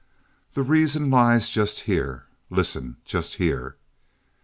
The reason lies just here—listen—just here.